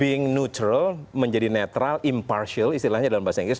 being natural menjadi netral impartial istilahnya dalam bahasa inggris